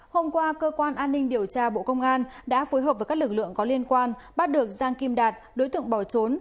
hôm qua cơ quan an ninh điều tra bộ công an đã phối hợp với các lực lượng có liên quan bắt được giang kim đạt đối tượng bỏ trốn